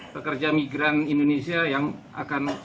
pekerja migran indonesia yang akan